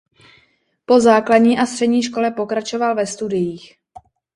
Po základní a střední škole pokračoval ve studiích.